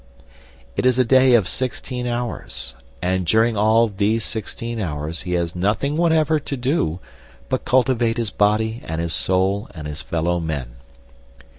It is a day of sixteen hours; and during all these sixteen hours he has nothing whatever to do but cultivate his body and his soul and his fellow men.